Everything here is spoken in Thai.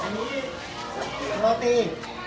อันนี้โรตี